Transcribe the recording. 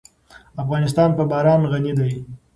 افغانستان په باران غني دی.